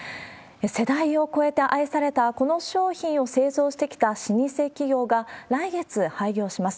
世代を超えて愛されたこの商品を製造してきた老舗企業が、来月廃業します。